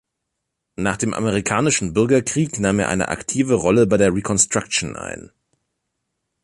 Nach dem Amerikanischen Bürgerkrieg nahm er eine aktive Rolle bei der Reconstruction ein.